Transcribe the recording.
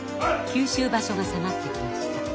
九州場所が迫ってきました。